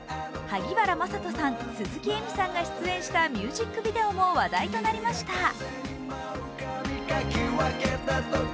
萩原聖人さん、鈴木えみさんが出演したミュージックビデオも話題となりました。